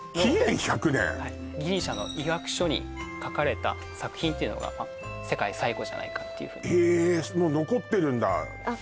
はいギリシャの医学書に書かれた作品っていうのが世界最古じゃないかっていうふうにえもう残ってるんだあっ